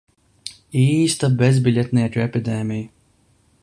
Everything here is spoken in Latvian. Īsta bezbiļetnieku epidēmija...